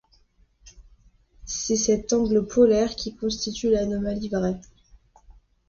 C'est cet angle polaire qui constitue l'anomalie vraie.